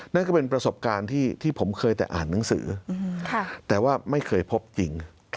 นั่นก็เป็นประสบการณ์ที่ผมเคยแต่อ่านหนังสือแต่ว่าไม่เคยพบจริง